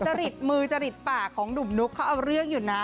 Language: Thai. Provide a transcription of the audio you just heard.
จริตมือจริตปากของหนุ่มนุ๊กเขาเอาเรื่องอยู่นะ